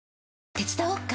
手伝おっか？